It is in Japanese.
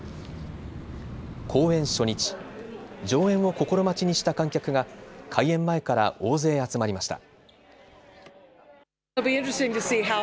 公演初日、上演を心待ちにした観客が開演前から大勢集まりました。